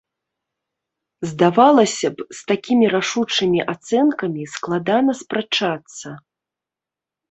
Здавалася б, з такімі рашучымі ацэнкамі складана спрачацца.